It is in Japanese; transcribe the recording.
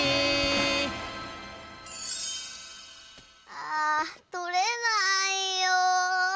あとれないよ。